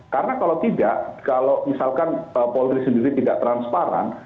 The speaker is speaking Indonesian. karena kalau tidak kalau misalkan polri sendiri tidak transparan